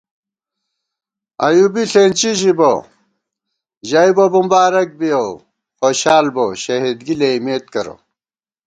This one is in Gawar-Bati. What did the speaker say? ایّوبی ݪېنچی ژِبہ ژئیبہ بُمبارَک بِیَؤ خوشال بو شہِدگی لېئیمېت کرہ